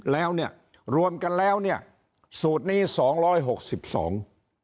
แล้วเนี่ยรวมกันแล้วเนี่ยสูตรนี้สองร้อยหกสิบสอง